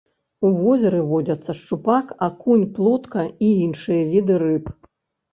У возеры водзяцца шчупак, акунь, плотка і іншыя віды рыб.